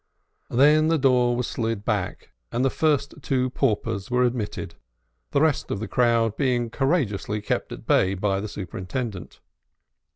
Then the door was slid back, and the first two paupers were admitted, the rest of the crowd being courageously kept at bay by the superintendent.